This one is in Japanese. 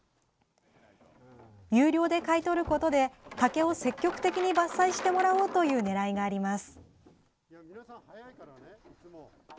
有料で買い取ることで、竹を積極的に伐採してもらおうという狙いがあります。